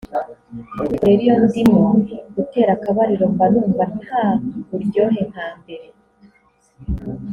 ariko rero iyo ndimo gutera akabariro mba numva nta buryohe nka mbere”